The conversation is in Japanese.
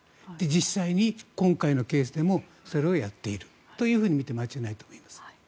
実際に今回のケースでもそれをやっていると見て間違いないと思います。